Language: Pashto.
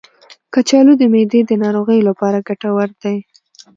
کچالو د معدې د ناروغیو لپاره ګټور دی.